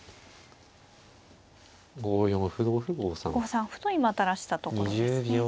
５三歩と今垂らしたところですね。